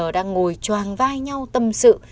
đang ngồi choàng vai nhau tâm sự